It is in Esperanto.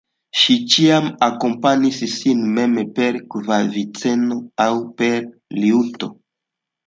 Ŝi ĉiam akompanis sin mem per klaviceno aŭ per liuto.